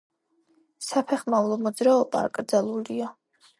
საფეხმავლო მოძრაობა აკრძალულია.